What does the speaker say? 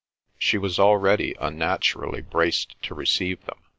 She was already unnaturally braced to receive them.